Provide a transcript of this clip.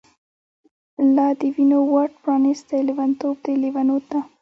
لا د وینو واټ پرانیستۍ، لیونتوب دی لیونوته